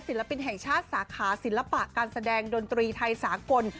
ศิลปินแห่งชาติสาขาศิลปะการแสดงดนตรีไทยสากล